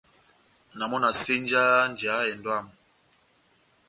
Na mɔ na senjaha njeya ya ehɛndɔ yámu.